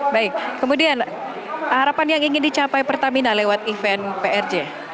baik kemudian harapan yang ingin dicapai pertamina lewat event prj